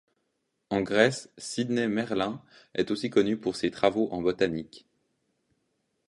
En Grèce, Sidney Merlin est aussi connu pour ses travaux en botanique.